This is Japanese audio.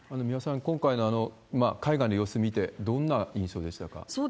三輪さん、今回の海外の様子見て、どんな印象でしたか？